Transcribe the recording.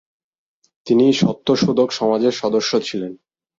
তিনি সত্যশোধক সমাজের সদস্য ছিলেন।